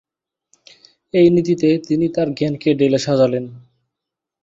এই নীতিতে তিনি তার জ্ঞানকে ঢেলে সাজালেন।